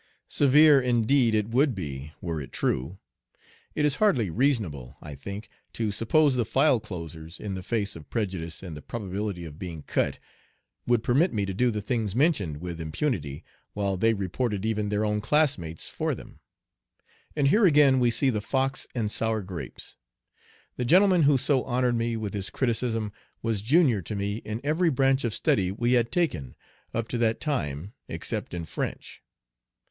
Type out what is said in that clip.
Severe, indeed, it would be were it true. It is hardly reasonable, I think, to suppose the file closers, in the face of prejudice and the probability of being "cut," would permit me to do the things mentioned with impunity, while they reported even their own classmates for them. And here again we see the fox and sour grapes. The gentleman who so honored me with his criticism was junior to me in every branch of study we had taken up to that time except in French.